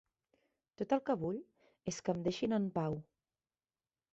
Tot el que vull és que em deixin en pau.